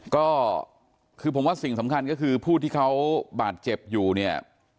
ก็คือผมว่าสิ่งสำคัญก็คือผู้ที่เขาบาดเจ็บอยู่เนี่ย